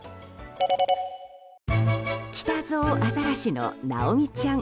キタゾウアザラシのなおみちゃん。